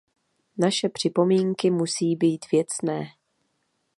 Naše připomínky musí být věcné.